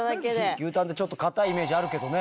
牛タンってちょっと硬いイメージあるけどね。